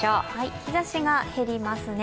日ざしが減りますね。